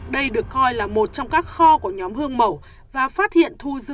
đây được coi là một trong các kho của nhóm hương mẩu và phát hiện thu giữ hai mươi chín bảy